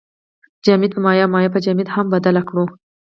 جامد په مایع او مایع په جامد هم بدل کړو.